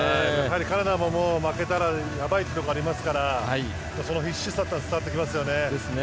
カナダも、負けたらやばいというところがありますからその必死さが伝わってきますよね。